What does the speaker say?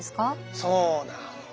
そうなの。